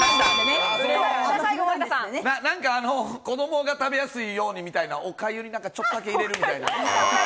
なんか子供が食べやすいようにみたいなお粥にちょっとだけ入れるみたいな。